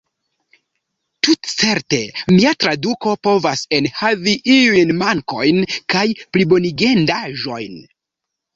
Tutcerte, mia traduko povas enhavi iujn mankojn kaj plibonigendaĵojn.